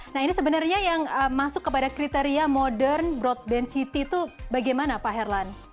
nah ini sebenarnya yang masuk kepada kriteria modern broadband city itu bagaimana pak herlan